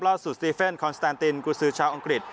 ล่าสุดสติฟเฟนคอนสแตนตินกุศืชาวอังกฤษ